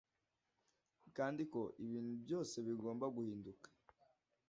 kandi ko ibintu byose bigomba guhinduka